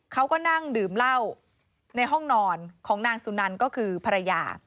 เขาก็นั่งดื่มเหล้าในห้องนอนของนางสุนันก็คือภรรยา